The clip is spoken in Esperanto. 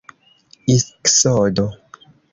iksodo